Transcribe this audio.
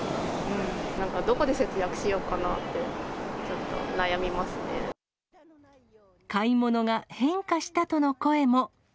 なんかどこで節約しようかな買い物が変化したとの声も。